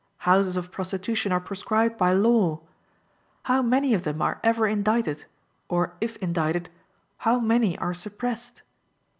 Houses of prostitution are proscribed by law. How many of them are ever indicted, or, if indicted, how many are suppressed?